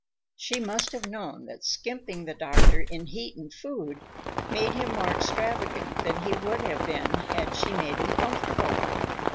She must have known that skimping the doctor in heat and food made him more extravagant than he would have been had she made him comfortable.